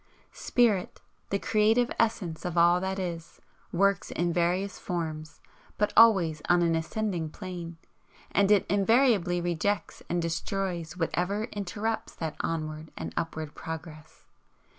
Spirit, the creative Essence of all that is, works in various forms, but always on an ascending plane, and it invariably rejects and destroys whatever interrupts that onward and upward progress.